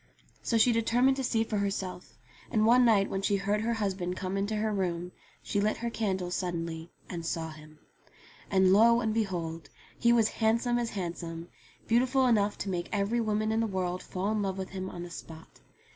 So she determined to see for herself, and one night when she heard her husband come into her room, she lit her candle suddenly and saw him. 6i 62 ENGLISH FAIRY TALES And lo, and behold ! he was handsome as handsome ; beautiful enough to make every woman in the world fall in love with him on the spot.